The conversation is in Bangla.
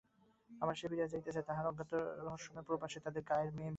আবার সে ফিরিয়া যাইতেছে তাহার অজ্ঞাত রহস্যময় প্রবাসে, তাদের গাঁয়ের মেয়ে বিন্দু।